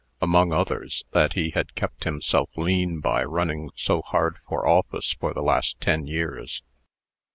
Among others, that he had kept himself lean by running so hard for office for the last ten years.